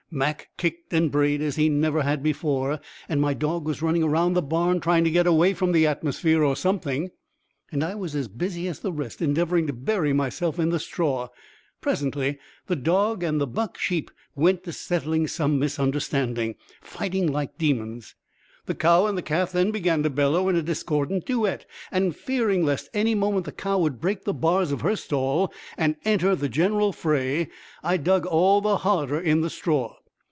Mac kicked and brayed as he never had before, and my dog was running round the barn trying to get away from the atmosphere or something. And I was as busy as the rest endeavoring to bury myself in the straw. Presently the dog and the buck sheep went to settling some misunderstanding, fighting like demons. The cow and calf then began to bellow in a discordant duet, and fearing lest any moment the cow would break the bars of her stall and enter the general fray, I dug all the harder in the straw.